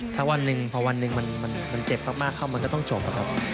ถ้าวันหนึ่งพอวันหนึ่งมันเจ็บมากเข้ามันก็ต้องจบอะครับ